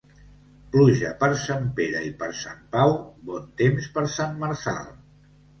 Pluja per Sant Pere i per Sant Pau, bon temps per Sant Marçal.